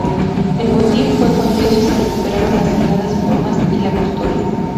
El botín fue cuantioso y se recuperaron las sagradas formas y la custodia.